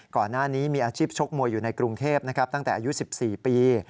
ก่อนหน้านี้มีอาชีพชกมวยอยู่ในกรุงเทพนะครับตั้งแต่อายุ๑๔ปี